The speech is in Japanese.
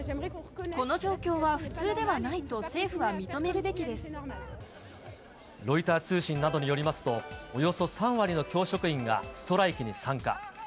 この状況は普通ではないと政ロイター通信などによりますと、およそ３割の教職員がストライキに参加。